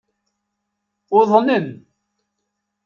Uḍnen.